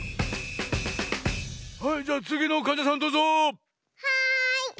はいじゃあつぎのかんじゃさんどうぞ。